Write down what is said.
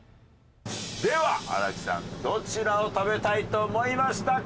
では新木さんどちらを食べたいと思いましたか？